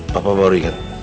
papa baru inget